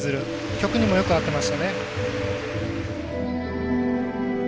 曲にもよく合ってましたね。